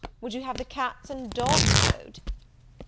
would you have the cats and dogs vote?"